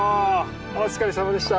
お疲れさまでした。